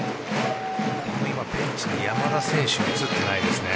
今ベンチに山田選手が映っていないですね。